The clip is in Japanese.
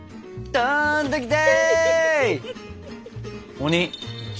とんときた！